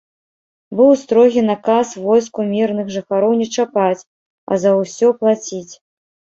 Быў строгі наказ войску мірных жыхароў не чапаць, а за ўсё плаціць.